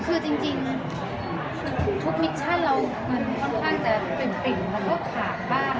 คือจริงทุกมิชชั่นเรามันค่อนข้างจะปริ่มมันก็ขาดบ้าง